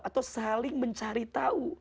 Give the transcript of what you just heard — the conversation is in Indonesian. atau saling mencari tahu